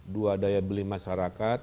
dua daya beli masyarakat